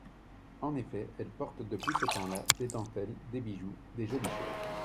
En effet, elle porte depuis ce temps-là des dentelles, des bijoux, de jolies choses.